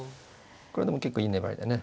これはでも結構いい粘りだね。